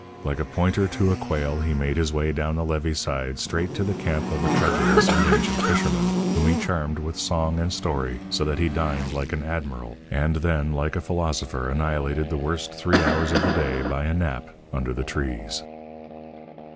Like a pointer to a quail, he made his way down the levee side straight to the camp of a credulous and ancient fisherman, whom he charmed with song and story, so that he dined like an admiral, and then like a philosopher annihilated the worst three hours of the day by a nap under the trees.